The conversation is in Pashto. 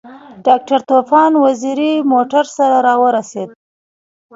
ډاکټر طوفان وزیری موټر سره راورسېد.